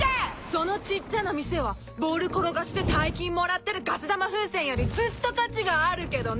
「そのちっちゃな店はボール転がして大金もらってるガス玉風船よりずっと価値があるけどね」